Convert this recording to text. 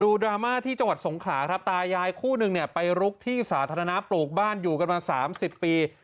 ดราม่าที่จังหวัดสงขลาครับตายายคู่หนึ่งเนี่ยไปลุกที่สาธารณะปลูกบ้านอยู่กันมา๓๐ปี